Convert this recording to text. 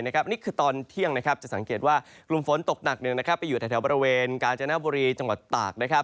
นี่คือตอนเที่ยงจะสังเกตว่ากลุ่มฝนตกหนักไปอยู่แถวบริเวณกาญจนบุรีจังหวัดตาก